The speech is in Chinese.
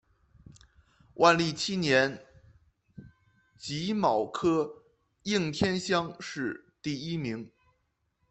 万历七年己卯科应天乡试第一名。